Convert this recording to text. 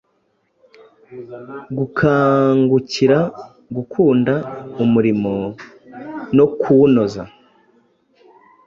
gukangukira gukunda umurimo no kuwunoza